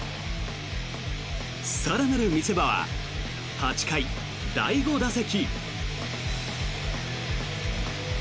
更なる見せ場は８回、第５打席。